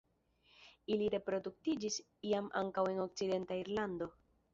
Ili reproduktiĝis iam ankaŭ en okcidenta Irlando.